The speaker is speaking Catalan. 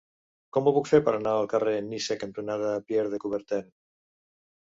Com ho puc fer per anar al carrer Niça cantonada Pierre de Coubertin?